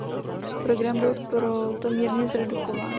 Program byl proto mírně zredukován.